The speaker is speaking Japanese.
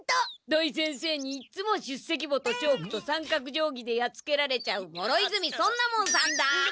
土井先生にいっつも出席簿とチョークと三角じょうぎでやっつけられちゃう諸泉尊奈門さんだ！